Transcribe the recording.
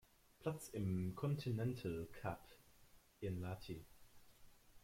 Platz im Continental Cup in Lahti.